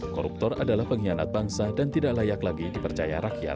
koruptor adalah pengkhianat bangsa dan tidak layak lagi dipercaya rakyat